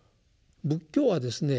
仏教はですね